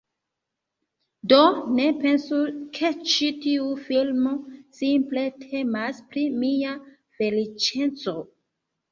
Do, ne pensu ke ĉi tiu filmo simple temas pri mia feliĉeco